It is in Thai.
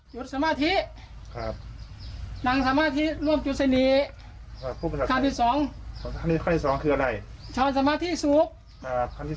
วงกล้มสิเขารอบหัวแสงไปหน้าภาคทั้งที